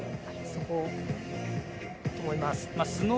そこだと思います。